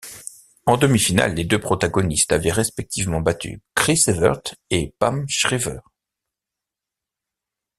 En demi-finale, les deux protagonistes avaient respectivement battu Chris Evert et Pam Shriver.